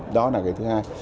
đó là thứ hai